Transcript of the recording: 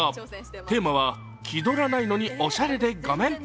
テーマは「気どらないのにおしゃれでゴメン」。